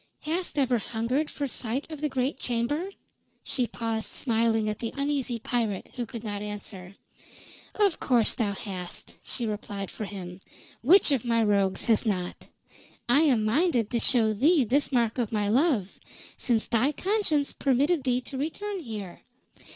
"Hast ever hungered for sight of the great chamber?" She paused smiling at the uneasy pirate, who could not answer. "Of course thou hast," she replied for him. "Which of my rogues has not? I am minded to show thee this mark of my love, since thy conscience permitted thee to return here.